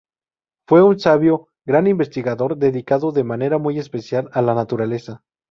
Fue un sabio, gran investigador, dedicado de manera muy especial a la naturaleza.